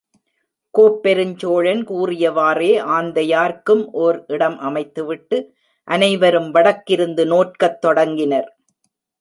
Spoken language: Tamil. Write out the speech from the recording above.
கோப்பெருஞ்சோழன் கூறியவாறே, ஆந்தையார்க்கும் ஒர் இடம் அமைத்து விட்டு, அனைவரும் வடக்கிருந்து நோற்கத் தொடங்கினர்.